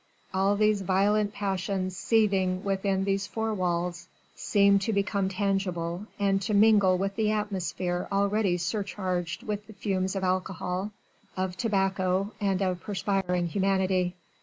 All these violent passions seething within these four walls seemed to become tangible and to mingle with the atmosphere already surcharged with the fumes of alcohol, of tobacco and of perspiring humanity.